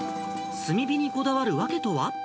炭火にこだわる訳とは。